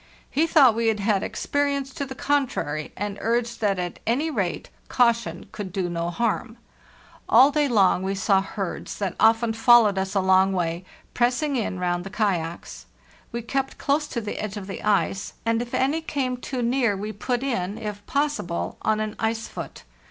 He thought we had had experience to the contrary, and urged that at any rate caution could dono harm. All day long we saw herds, that often fol lowed us along way, pressing in round the kayaks. We kept close to the edge of the ice; and if any came too near, we put in, if possible, on an ice foot.